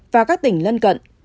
và các tỉnh lân cận